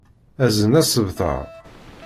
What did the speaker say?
Azen asebtar.